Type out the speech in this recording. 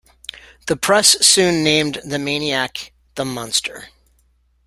The press soon named the maniac "The Monster".